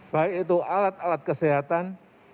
baik itu alat alat kesehatan